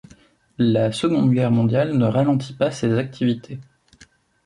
La Seconde Guerre Mondiale ne ralentit pas ses activités.